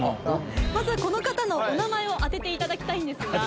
まずはこの方のお名前を当てて頂きたいんですが。